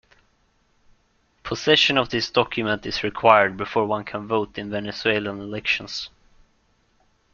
Possession of this document is required before one can vote in Venezuelan elections.